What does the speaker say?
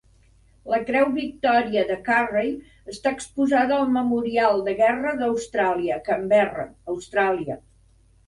La Creu Victòria de Currey està exposada al Memorial de Guerra d'Austràlia a Canberra, Austràlia.